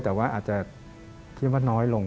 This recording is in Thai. แต่ว่าอาจจะคิดว่าน้อยลง